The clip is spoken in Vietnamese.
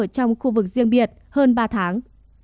trong khu vực riêng biệt hơn ba tháng